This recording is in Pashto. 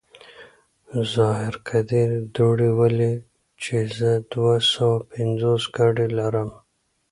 ظاهر قدير دوړې ولي چې زه دوه سوه پينځوس ګاډي لرم.